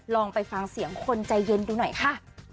ลองไปฟังเสียงคนใจเย็นดูหน่อยค่ะ